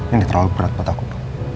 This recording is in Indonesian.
ini terlalu berat pak takut